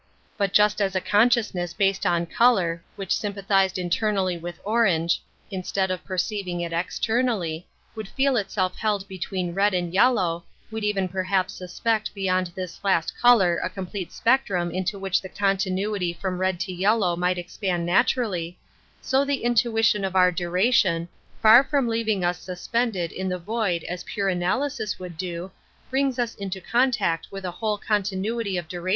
But just as a con sciousness based on color, which sym pathized internally with orange instead of 4 Metaphysics 63 perceiving it externally, would feel itself held between red and yellow, would even perhaps suspect beyond this last color a complete spectrum into which the conti nuity from red to yellow might expand naturally, so the intuition of our duration, \ far from leaving us suspended in the void ^, as pure analysis would do, brings us into contact with a whole continuity of dura